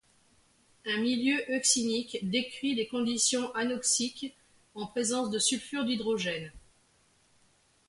Un milieu euxinique décrit des conditions anoxiques en présence de sulfure d'hydrogène.